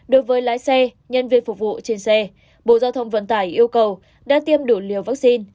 đối với lái xe nhân viên phục vụ trên xe bộ giao thông vận tải yêu cầu đã tiêm đủ liều vaccine